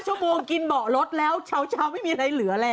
ชั่วโมงกินเบาะรถแล้วเช้าไม่มีอะไรเหลือแล้ว